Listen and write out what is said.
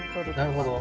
なるほど。